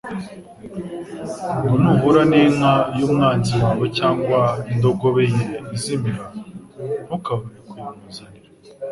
ngo: « Nuhura n'inka y'umwanzi wawe cyangwa indogobe ye izimira, ntukabure kuyimuzanira.